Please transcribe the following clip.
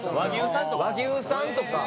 和牛さんとかも。